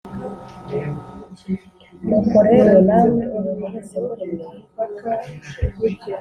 Nuko rero namwe umuntu wese muri mwe